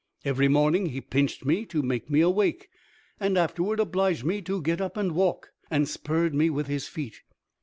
Every morning he pinched me to make me awake, and afterward obliged me to get up and walk, and spurred me with his feet.